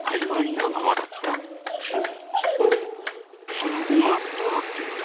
その後はどうなっていったの？